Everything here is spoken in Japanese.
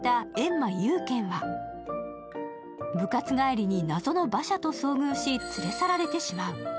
満雄剣は部活帰りに謎の馬車と遭遇し連れ去られてしまう。